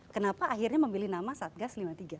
kenapa akhirnya memilih nama satgas lima puluh tiga